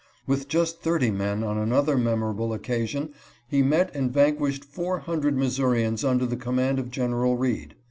With just thirty men on another memorable occasion he met and vanquished 400 Missourians under the command of General Read.